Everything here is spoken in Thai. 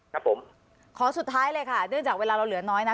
ครับผมขอสุดท้ายเลยค่ะเนื่องจากเวลาเราเหลือน้อยนะ